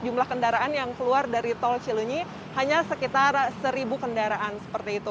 dan jumlah kendaraan yang keluar dari tol cilenyi hanya sekitar seribu kendaraan seperti itu